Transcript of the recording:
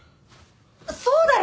そうだよね！